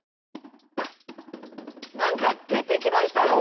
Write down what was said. なんか出てきましたよ！